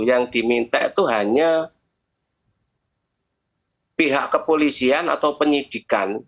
yang diminta itu hanya pihak kepolisian atau penyidikan